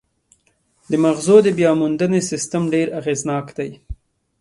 د مغزو د بیاموندنې سیستم ډېر اغېزناک دی.